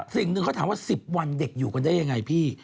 ทีแล้วว่าฟังว่า๑๐วันเด็กอยู่กันได้ยังไงพี่